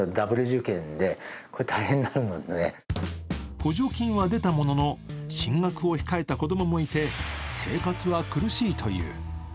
補助金は出たものの、進学を控えた子供もいて生活は苦しいという。